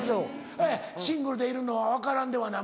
ええシングルでいるのは分からんではない。